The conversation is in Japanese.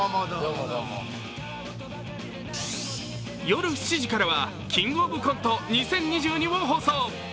夜７時からは、「キングオブコント２０２２」を放送。